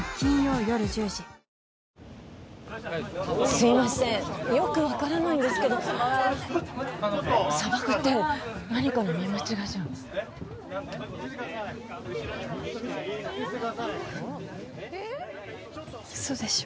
すいませんよく分からないんですけど砂漠って何かの見間違いじゃ嘘でしょ